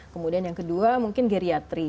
kemudian yang kedua mungkin geriatri